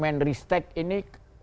menteri stek ini